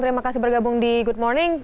terima kasih bergabung di good morning